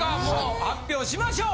発表しましょう！